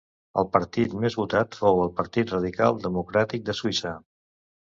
El partit més votat fou el Partit Radical Democràtic de Suïssa.